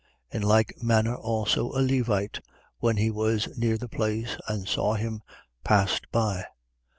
10:32. In like manner also a Levite, when he was near the place and saw him, passed by.